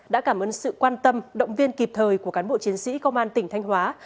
đã cảm ơn sự quan tâm động viên kịp thời của cán bộ chiến sĩ công an tỉnh thanh hóa